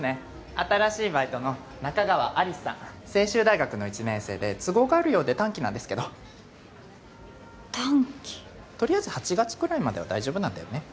新しいバイトの仲川有栖さん成修大学の１年生で都合があるようで短期なんですけど短期とりあえず８月くらいまでは大丈夫なんだよね